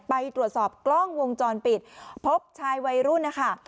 ไปตรวจสอบกล้องวงจรปิดพบชายวัยรุ่นนะคะ